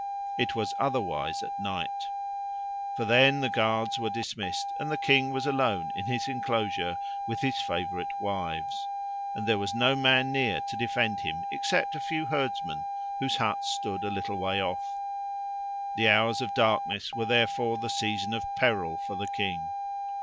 It was otherwise at night. For then the guards were dismissed and the king was alone in his enclosure with his favourite wives, and there was no man near to defend him except a few herdsmen, whose huts stood a little way off. The hours of darkness were therefore the season of peril for the king.